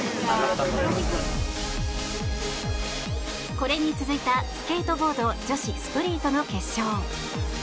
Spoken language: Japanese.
これに続いたスケートボード女子ストリートの決勝。